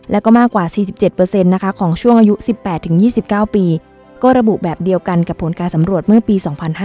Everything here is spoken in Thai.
แล้วก็มากกว่า๔๗นะคะของช่วงอายุ๑๘๒๙ปีก็ระบุแบบเดียวกันกับผลการสำรวจเมื่อปี๒๕๕๙